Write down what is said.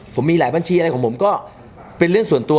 ผมมีหลายบัญชีอะไรของผมก็เป็นเรื่องส่วนตัว